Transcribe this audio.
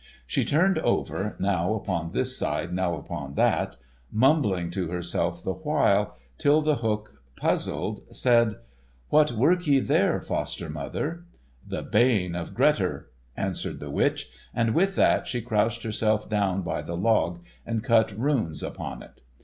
She turned over, now upon this side, now upon that, mumbling to herself the while, till The Hook, puzzled, said: "What work ye there, foster mother?" "The bane of Grettir," answered the witch, and with that she crouched herself down by the log and cut runes upon it.